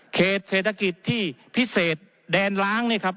เขตเศรษฐกิจที่พิเศษนี้ครับ